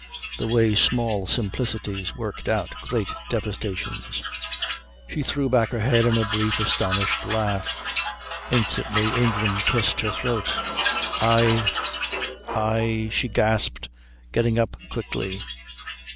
The way small simplicities worked out great devastations. She threw back her head in a brief, astonished laugh. Instantly Ingram kissed her throat. "I I " she gasped, getting up quickly.